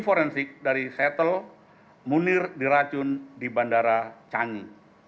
diforensik dari setel munir diracun di bandara cangi